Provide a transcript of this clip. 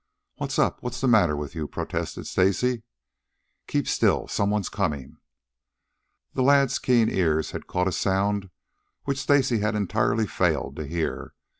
"What's up? What's the matter with you?" protested Stacy. "Keep still, some one's coming." The lad's keen ears had caught a sound which Stacy had entirely failed to hear.